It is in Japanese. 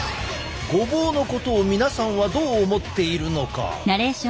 「ごぼう」のことを皆さんはどう思っているのか？